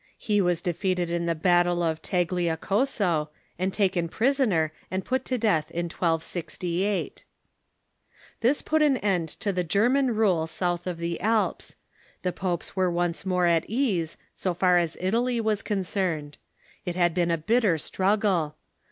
He >vas defeated in the battle of Tagliacozzo, and taken prisoner and put to death in 1268. This put an end to the German rule south of the Alps. The popes were once more at ease, so far as Italy was concerned. It had been a bitter struggle.